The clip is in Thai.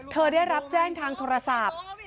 เธอได้รับแจ้งทางโทรศาสตร์